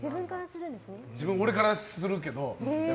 俺からするけど。